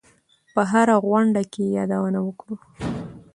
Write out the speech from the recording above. په هره غونډه کې یې یادونه وکړو.